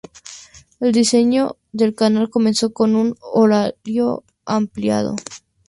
El rediseño del canal comenzó con un horario ampliado.